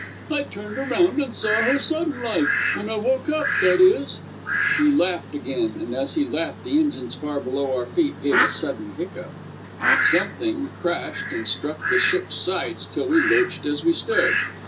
I turned around and saw her sudden like when I woke up, that is." He laughed again, and as he laughed the engines far below our feet gave a sudden hiccough. Something crashed and struck the ship's sides till we lurched as we stood.